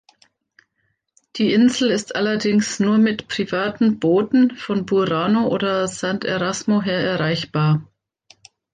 Die Insel ist allerdings nur mit privaten Booten von Burano oder Sant’Erasmo her erreichbar.